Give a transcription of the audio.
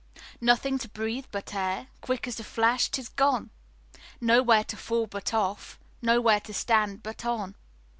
Nothing to breathe but air Quick as a flash 't is gone; Nowhere to fall but off, Nowhere to stand but on.